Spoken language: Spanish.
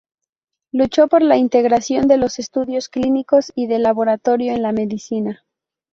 Luchó por la integración de los estudios clínicos y de laboratorio en la medicina.